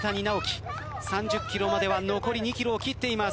３０ｋｍまでは残り２ｋｍを切っています。